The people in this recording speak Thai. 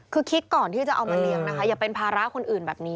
คือคิดก่อนที่จะเอามาเลี้ยงนะคะอย่าเป็นภาระคนอื่นแบบนี้